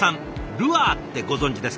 ルアーってご存じですか？